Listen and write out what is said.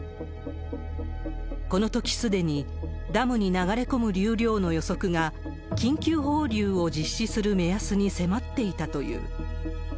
このときすでに、ダムに流れ込む流量の予測が、緊急放流を実施する目安に迫っていたという。